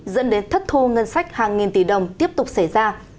dẫn đến thất thu ngân sách hàng nghìn tỷ đồng tiếp tục xảy ra